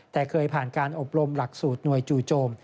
แต่เคยผ่านการอบรมหลักสูตรหน่วยจู่โจม